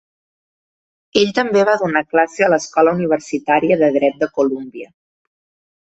Ell també va donar classe a l'Escola universitària de Dret de Columbia.